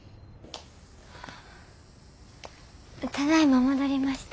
ただいま戻りました。